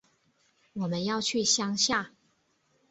我们要去乡下